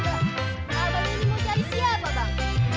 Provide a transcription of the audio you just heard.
bang apa lo mau jadi siapa bang